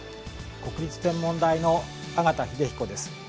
国立天文台の縣秀彦です。